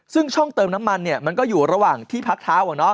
ซึ่งช่องเติมน้ำมันมันก็อยู่ระหว่างที่พักเท้า